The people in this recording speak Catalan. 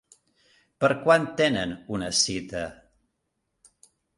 Per quan tenen una cita?